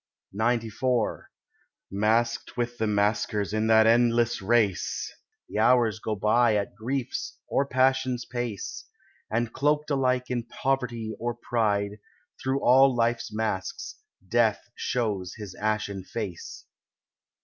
XCIV Masqued with the masquers in that endless race The hours go by at grief's or passion's pace, And cloaked alike in poverty or pride, Through all life's masks death shows his ashen face.